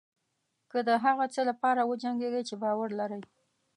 که د هغه څه لپاره وجنګېږئ چې باور لرئ.